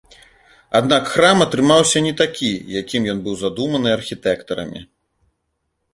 Аднак храм атрымаўся не такі, якім ён быў задуманы архітэктарамі.